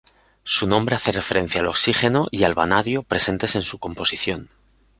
Su nombre hace referencia al oxígeno y al vanadio presentes en su composición.